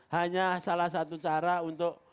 hanya salah satu cara untuk